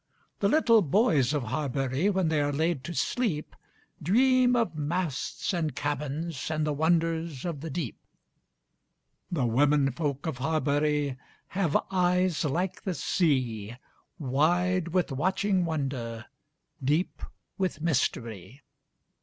The little boys of Harbury when they are laid to sleep, Dream of masts and cabins and the wonders of the deep. The women folk of Harbury have eyes like the sea, Wide with watching wonder, deep with mystery.